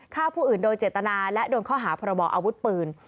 ฆ่าผู้อื่นโดยเจตนาและโดนข้อหาพรบออาวุธปืน